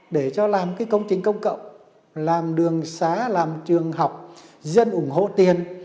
để cho làm công trình công cộng làm đường xá làm trường học dân ủng hộ tiền